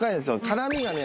辛みがね